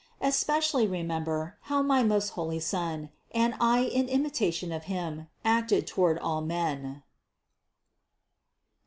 Especially remember how my most holy Son, and I in imitation of Him, acted toward all men.